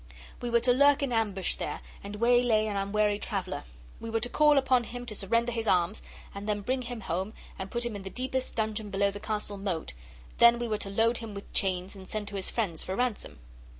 We were to lurk in ambush there, and waylay an unwary traveller. We were to call upon him to surrender his arms, and then bring him home and put him in the deepest dungeon below the castle moat; then we were to load him with chains and send to his friends for ransom.